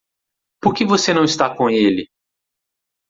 Por que você não está com ele?